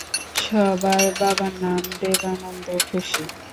সবার বাবার নাম দেবানন্দ, খুশি?